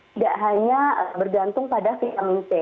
tidak hanya bergantung pada vitamin c